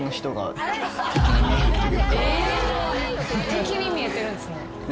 敵に見えてるんすね。